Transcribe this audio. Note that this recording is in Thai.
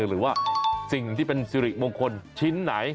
หรือว่าสิ่งที่เป็นสิริมงคลชิ้นไหน